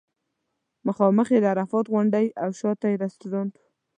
مخامخ یې د عرفات غونډۍ او شاته یې رستورانټ و.